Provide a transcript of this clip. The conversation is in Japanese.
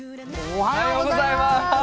おはようございます！